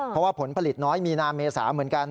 เพราะว่าผลผลิตน้อยมีนาเมษาเหมือนกัน